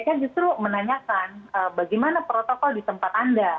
mereka justru menanyakan bagaimana protokol di tempat anda